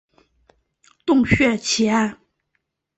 洞穴奇案。